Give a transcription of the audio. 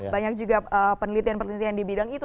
banyak juga penelitian penelitian di bidang itu